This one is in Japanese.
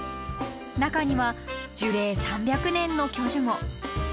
中には樹齢３００年の巨樹も。